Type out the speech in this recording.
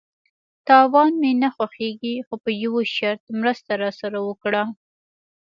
_تاوان مې نه خوښيږي، خو په يوه شرط، مرسته راسره وکړه!